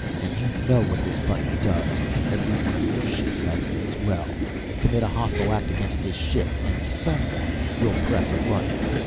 "And you know what this button does every one of your ships has them as well. Commit a hostile act against this ship and someone will press a button.